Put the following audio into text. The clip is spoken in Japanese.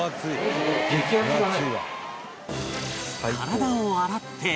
激熱だね。